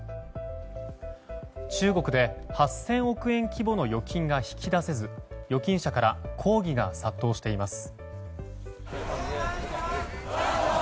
中国で８０００億円規模の預金が引き出せず預金者から抗議が殺到しています。